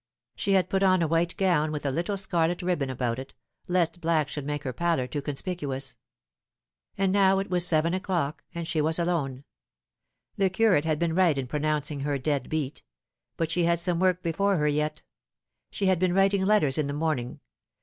She had put on a white gown with a littla scarlet ribbon about it, lest black should make her pallor too conspicuous. And now it was seven o'clock, and she was alone. The curate had been right in pronouncing her dead beat ; but she had some work before her yet. She had been writing letters in the morn ing.